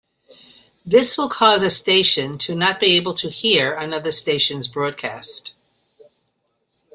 This will cause a station to not be able to 'hear' another station's broadcast.